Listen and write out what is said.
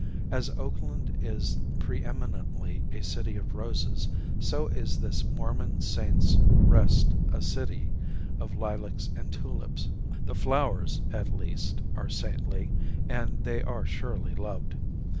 As Oakland is pre eminently a city of roses, so is this Mormon Saints' Rest a city of lilacs and tulips. The flowers, at least, are saintly, and they are surely loved.